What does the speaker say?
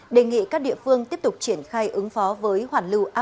đề nghị các địa phương tiếp tục triển khai ứng phó